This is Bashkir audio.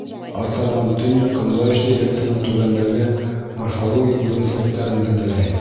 Артабан Төньяҡ-көнбайыш диалектының түбәндәге морфологик үҙенсәлектәрен билдәләй.